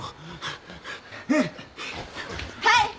はい！